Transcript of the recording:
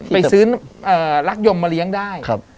ไปซื้อรักยมมาเลี้ยงได้